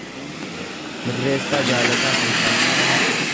Mirreessaa Jaalataa Fayisaa